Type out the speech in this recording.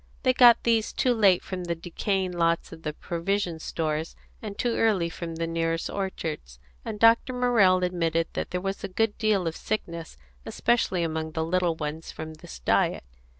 They got these too late from the decaying lots at the provision stores, and too early from the nearest orchards; and Dr. Morrell admitted that there was a good deal of sickness, especially among the little ones, from this diet.